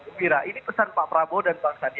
gembira ini pesan pak prabowo dan pak sadi